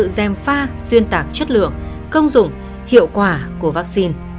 dèm pha xuyên tạc chất lượng công dụng hiệu quả của vaccine